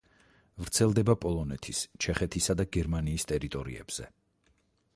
ვრცელდება პოლონეთის, ჩეხეთისა და გერმანიის ტერიტორიებზე.